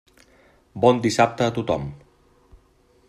Bon dissabte a tothom.